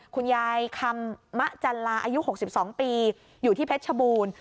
คุณยายคำมะจันลาอายุ๖๒ปีอยู่ที่เพชรชบูรณ์